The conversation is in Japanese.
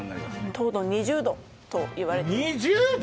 糖度２０度といわれて２０度！？